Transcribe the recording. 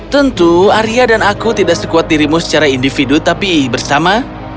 tentu arya dan aku tidak sekuat dirimu secara individu tapi bersama